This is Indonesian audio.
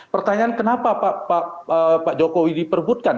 pertanyaan kenapa pak jokowi diperbutkan